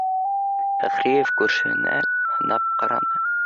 — Фәхриев күршеһенә һынап ҡараны